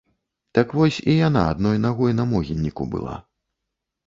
Так вось і яна адной нагой на могільніку была.